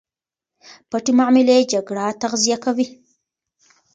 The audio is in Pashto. پټې معاملې جګړه تغذیه کوي.